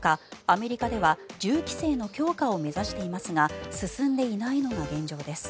アメリカでは銃規制の強化を目指していますが進んでいないのが現状です。